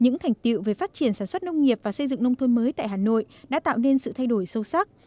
những thành tiệu về phát triển sản xuất nông nghiệp và xây dựng nông thôn mới tại hà nội đã tạo nên sự thay đổi sâu sắc